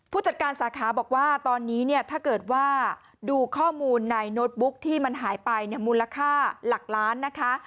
ผู้จัดการสาขาบอกว่าตอนนี้เนี่ยถ้าเกิดว่าดูข้อมูลในโน้ตบุ๊กที่มันหายไปเนี่ยมูลค่าหลักล้านนะคะ